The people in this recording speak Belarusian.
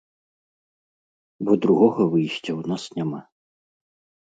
Бо другога выйсця ў нас няма.